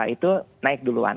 itu naik duluan